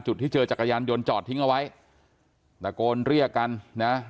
ที่เจอจักรยานยนต์จอดทิ้งเอาไว้ตะโกนเรียกกันนะ